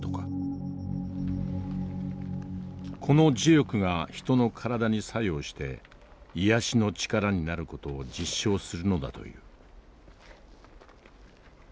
この磁力が人の体に作用して癒やしの力になる事を実証するのだという。